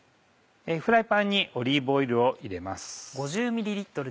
フライパンにオリーブオイルを入れます。